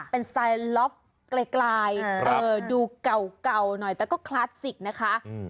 เป็นสไตล์ล็อฟไกลดูเก่าหน่อยแต่ก็คลาสสิกนะคะ